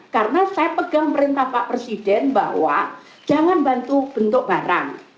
karena saya pegang perintah pak presiden bahwa jangan bantu bentuk barang